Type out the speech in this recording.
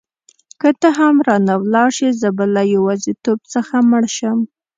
که ته هم رانه ولاړه شې زه به له یوازیتوب څخه مړ شم.